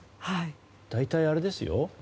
大体、あれですよ。